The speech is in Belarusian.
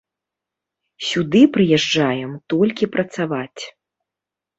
Сюды прыязджаем толькі працаваць.